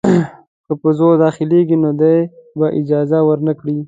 که په زور داخلیږي نو دی به اجازه ورنه کړي.